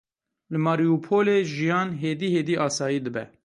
Li Mariupolê jiyan hêdî hêdî asayî dibe.